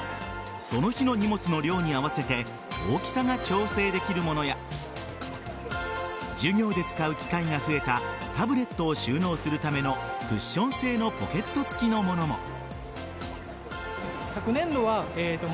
その日の荷物の量に合わせて大きさが調整できるものや授業で使う機会が増えたタブレットを収納するためのクッション性のポケット付きのものも。